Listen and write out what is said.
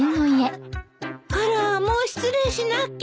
あらもう失礼しなきゃ。